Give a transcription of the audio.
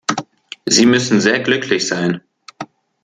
Sie müssen sehr glücklich sein.